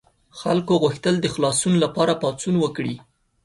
خلکو غوښتل د خلاصون لپاره پاڅون وکړي.